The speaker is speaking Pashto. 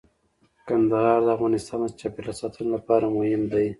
کندهار د افغانستان د چاپیریال ساتنې لپاره مهم دی.